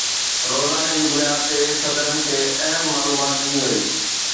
روزاني جي بنياد تي صدرن کي اهم معلومات ڏني وئي